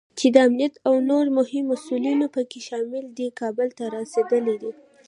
چې د امنیت او نور مهم مسوولین پکې شامل دي، کابل ته رارسېدلی دی